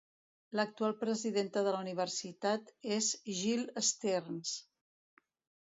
L'actual presidenta de la universitat és Jill Stearns.